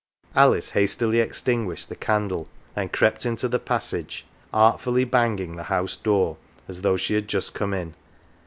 Alice hastily extinguished the candle, and crept into the passage, artfully banging the house door as though she had just come in.